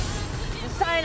うるさいな！